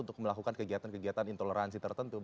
untuk melakukan kegiatan kegiatan intoleransi tertentu